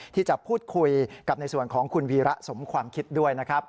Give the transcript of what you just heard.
ที่จะพูดคุยกับในส่วนของคุณวีระสมความคิดด้วยนะครับ